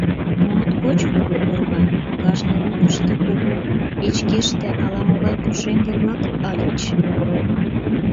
Моткоч кугу орва, кажне лукышто кугу печкеште ала-могай пушеҥге-влак ыльыч.